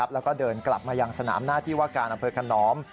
แล้วก็เดินกลับมายังสนามหน้าที่ว่าการอำเภอขนอม